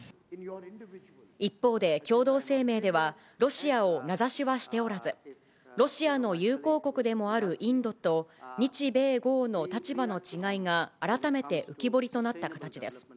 一方で共同声明では、ロシアを名指しはしておらず、ロシアの友好国でもあるインドと、日米豪の立場の違いが改めて浮き彫りとなった形です。